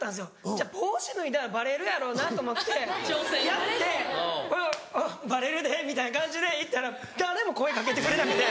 じゃあ帽子脱いだらバレるやろうなと思ってやっておっバレるでみたいな感じで行ったら誰も声かけてくれなくて。